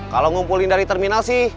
kalau ngumpulin dari terminal sih